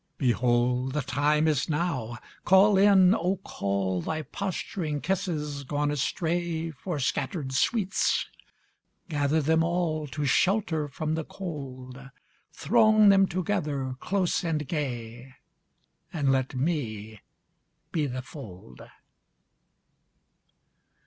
Behold, The time is now! Call in, O call Thy posturing kisses gone astray For scattered sweets. Gather them all To shelter from the cold. Throng them together, close and gay, And let me be the fold!